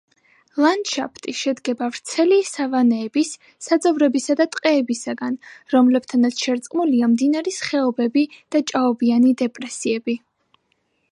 ლანდშაფტი შედგება ვრცელი სავანების, საძოვრებისა და ტყეებისგან, რომლებთანაც შერწყმულია მდინარის ხეობები და ჭაობიანი დეპრესიები.